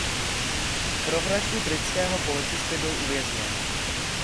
Pro vraždu britského policisty byl uvězněn.